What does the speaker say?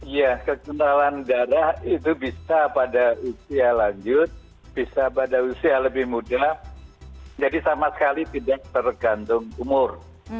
iya kekentalan darah itu bisa pada usia lanjut bisa pada usia lebih muda jadi sama sekali tidak tergantung umur